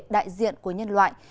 đại diện của nhân loại